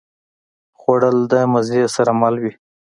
خوړل د مزې سره مل وي